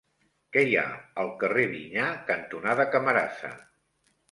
Què hi ha al carrer Vinyar cantonada Camarasa?